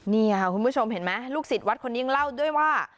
นี่ค่ะคุณผู้ชมเห็นไหมลูกศิษย์วัดคนนี้ยังเล่าด้วยว่า